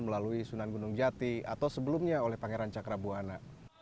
melalui sunan gunung jati atau sebelumnya oleh pangeran cakrabuana